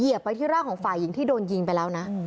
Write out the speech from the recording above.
ไปที่ร่างของฝ่ายหญิงที่โดนยิงไปแล้วนะ